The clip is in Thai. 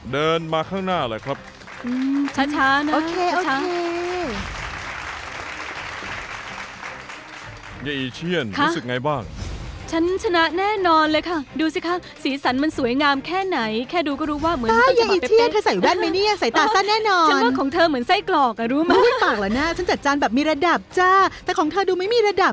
เดินมาข้างหน้าครับ